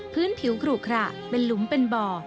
พื้นผิวขลุขระเป็นหลุมเป็นบ่อ